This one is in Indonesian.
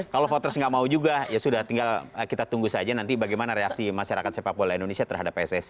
kalau voters nggak mau juga ya sudah tinggal kita tunggu saja nanti bagaimana reaksi masyarakat sepak bola indonesia terhadap pssi